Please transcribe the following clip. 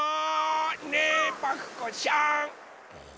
ねえパクこさん！